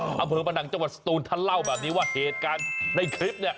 เอาเพิ่มมาดังจังหวัดศูนย์ท่านเล่าแบบนี้ว่าเหตุการณ์ในคลิป